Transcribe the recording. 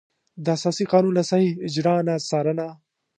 د اساسي قانون له صحیح اجرا نه څارنه.